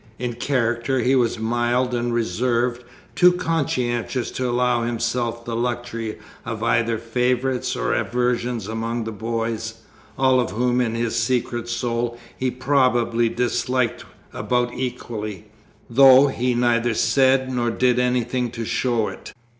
In character he was mild and reserved, too conscientious to allow himself the luxury of either favourites or aversions among the boys, all of whom in his secret soul he probably disliked about equally, though he neither said nor did anything to show it.